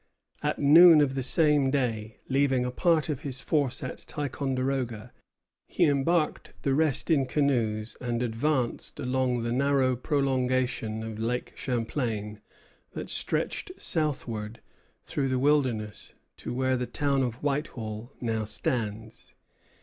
At noon of the same day, leaving a part of his force at Ticonderoga, he embarked the rest in canoes and advanced along the narrow prolongation of Lake Champlain that stretched southward through the wilderness to where the town of Whitehall now stands.